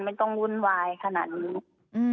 ไม่ต้องวุ่นวายขนาดนี้